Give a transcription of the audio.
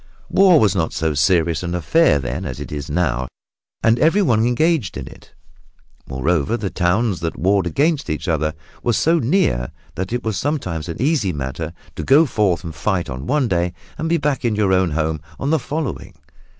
War was not so serious an affair then as it is now, and everyone engaged in it. Moreover, the towns that warred against each other were so near that it was sometimes an easy matter to go forth and fight on one day and be back in your own home on the day following.